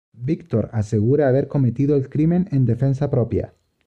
Victor asegura haber cometido el crimen en defensa propia.